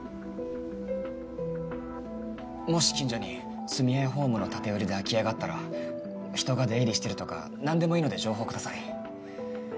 もし近所に住愛ホームの建売で空き家があったら人が出入りしてるとか何でもいいので情報ください。